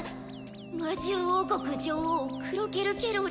魔獣王国女王クロケル・ケロリ」。